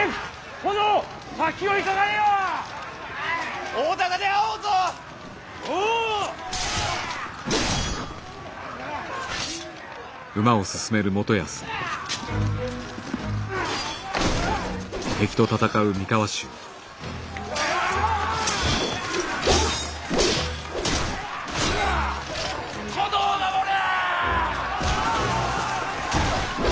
殿を守れ！